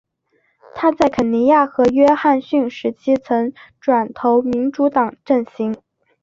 她在肯尼迪和约翰逊时期曾转投民主党阵型。